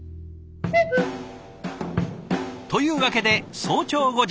というわけで早朝５時。